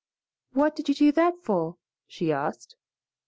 "What did you do that for?" she asked.